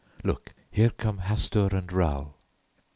Look. Here come Hastur and Raoul."